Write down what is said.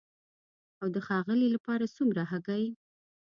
او د ښاغلي لپاره څومره هګۍ؟